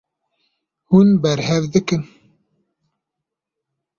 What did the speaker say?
Hûn berhev dikin.